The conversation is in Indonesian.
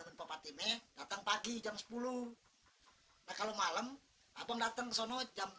ke tempat ini datang pagi jam sepuluh kalau malam abang datang ke sana jam tujuh